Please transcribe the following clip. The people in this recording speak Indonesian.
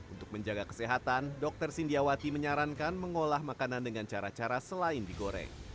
untuk menjaga kesehatan dr sindiawati menyarankan mengolah makanan dengan cara cara selain digoreng